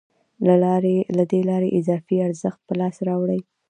له دې لارې اضافي ارزښت په لاس راوړي